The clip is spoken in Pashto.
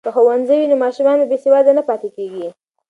که ښوونځی وي نو ماشومان بې سواده نه پاتیږي.